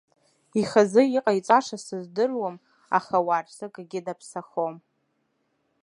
Ихазы иҟаиҵаша сыздыруам, аха ауаа рзы акгьы даԥсахом.